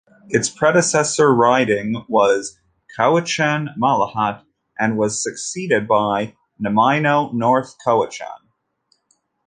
Its predecessor riding was Cowichan-Malahat and was succeeded by Nanaimo-North Cowichan.